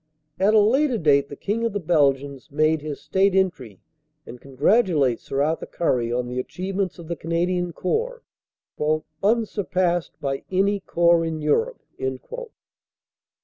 At a later date the King of the Belgians made his state entry and congratulates Sir Arthur Currie on the achievements of the Canadian Corps "unsur passed by any Corps in Europe."